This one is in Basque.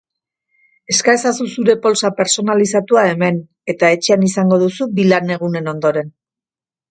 Eska ezazu zure poltsa pertsonalizatua hemen eta etxean izango duzu bi lanegunen ondoren.